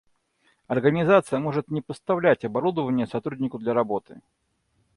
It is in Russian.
Организация может не поставлять оборудование сотруднику для работы